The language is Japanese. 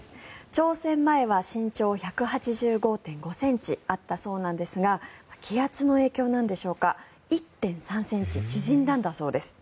挑戦前は身長１８５．５ｃｍあったそうなんですが気圧の影響なんでしょうか１．３ｃｍ縮んだんだそうです。